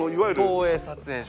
東映撮影所。